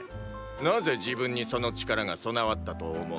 なぜ自分にその力が備わったと思う？